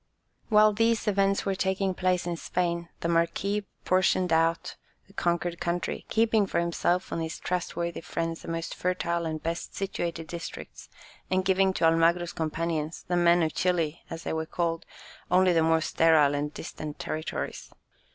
While these events were taking place in Spain, the Marquis portioned out the conquered country, keeping for himself and his trustworthy friends the most fertile and best situated districts, and giving to Almagro's companions, the men of Chili as they were called, only the more sterile and distant territories.